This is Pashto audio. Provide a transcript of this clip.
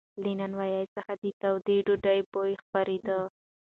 له نانوایۍ څخه د تودې ډوډۍ بوی خپرېده.